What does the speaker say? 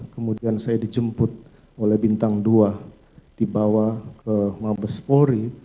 kemudian saya dijemput oleh bintang dua dibawa ke mabespori